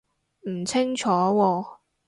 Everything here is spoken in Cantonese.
唔清楚喎